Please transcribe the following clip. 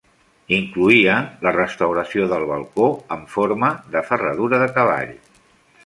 Incloïa la restauració del balcó amb forma de ferradura de cavall.